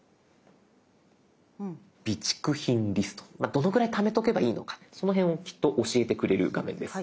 どのくらいためとけばいいのかその辺をきっと教えてくれる画面です。